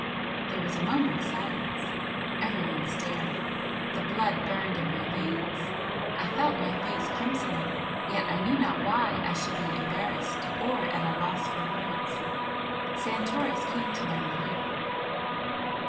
There was a moment's silence. Everyone stared. The blood burned in my veins, I felt my face crimsoning, yet I knew not why I should be embarrassed or at a loss for words. Santoris came to my relief.